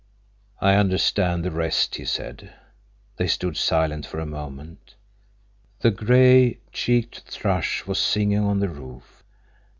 "I understand the rest," he said. They stood silent for a moment. The gray cheeked thrush was singing on the roof.